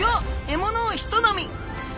獲物をひと飲み。